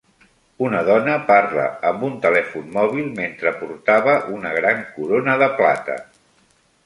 Una dona parla amb un telèfon mòbil mentre portava una gran Corona de plata.